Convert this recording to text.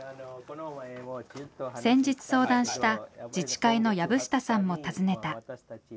先日相談した自治会の薮下さんも訪ねた。